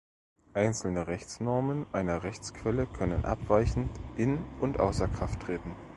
Einzelne Rechtsnormen einer Rechtsquelle können abweichend in und außer Kraft treten.